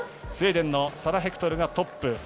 スウェーデンのサラ・ヘクトルがトップ。